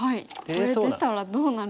これ出たらどうなるんですか？